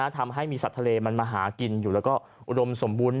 ทำให้มีสัตว์ทะเลมาหากินแล้วอุดมสมมุติ